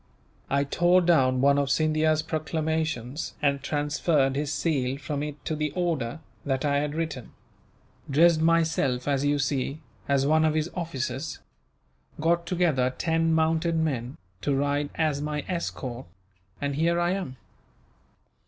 I tore down one of Scindia's proclamations, and transferred his seal from it to the order that I had written; dressed myself, as you see, as one of his officers; got together ten mounted men, to ride as my escort, and here I am."